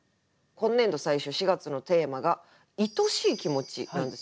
今年度最初４月のテーマが「いとしい気持ち」なんですよね。